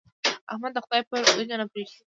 احمد د خدای پر اوېجه نه پرېږدي.